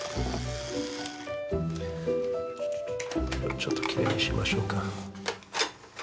ちょっときれいにしましょうか。